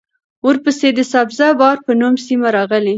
ورپسې د سبزه بار په نوم سیمه راغلې